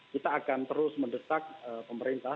kita akan terus mendesak pemerintah